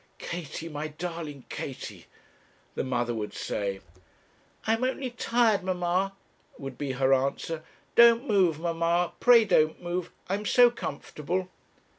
'Katie, my darling Katie,' the mother would say. 'I'm only tired, mamma,' would be her answer. 'Don't move, mamma; pray don't move. I am so comfortable.'